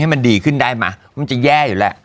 ให้มันดีขึ้นได้มันจะแย่อยู่แหละ